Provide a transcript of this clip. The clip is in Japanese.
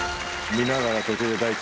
見ながら途中で大吉）